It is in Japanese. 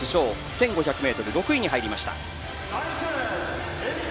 １５００ｍでは６位に入りました。